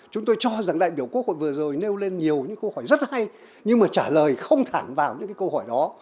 chúng tôi cho rằng đại biểu quốc hội vừa rồi nêu lên nhiều những câu hỏi rất hay nhưng mà trả lời không thẳng vào những cái câu hỏi đó